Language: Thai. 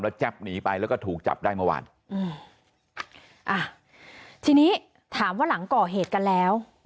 แจ๊บหนีไปแล้วก็ถูกจับได้เมื่อวานอืมอ่ะทีนี้ถามว่าหลังก่อเหตุกันแล้ว